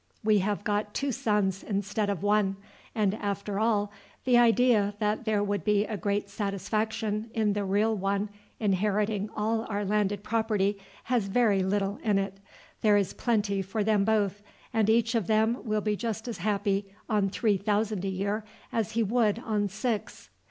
We have got two sons instead of one; and after all, the idea that there would be a great satisfaction in the real one inheriting all our landed property has very little in it. There is plenty for them both, and each of them will be just as happy on three thousand a year as he would on six.